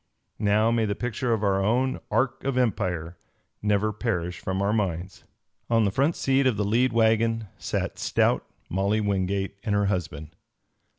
Now may the picture of our own Ark of Empire never perish from our minds. On the front seat of the lead wagon sat stout Molly Wingate and her husband.